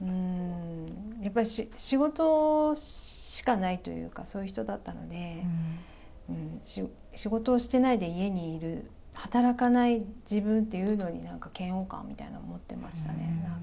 やっぱり、仕事しかないというか、そういう人だったので、仕事をしてないで家にいる、働かない自分っていうのになんか嫌悪感みたいなの持ってましたね。